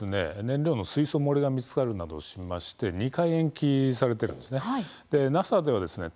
燃料の水素漏れが見つかるなどしまして２回延期されているんですね。